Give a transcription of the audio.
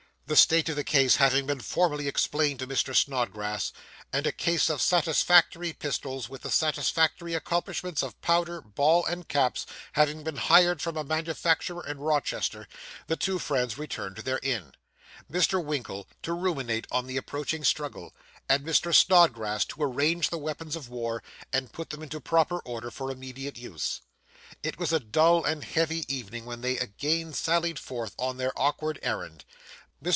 The state of the case having been formally explained to Mr. Snodgrass, and a case of satisfactory pistols, with the satisfactory accompaniments of powder, ball, and caps, having been hired from a manufacturer in Rochester, the two friends returned to their inn; Mr. Winkle to ruminate on the approaching struggle, and Mr. Snodgrass to arrange the weapons of war, and put them into proper order for immediate use. It was a dull and heavy evening when they again sallied forth on their awkward errand. Mr.